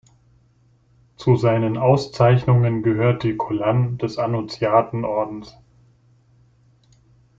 Zu seinen Auszeichnungen gehörte die Collane des Annunziaten-Ordens.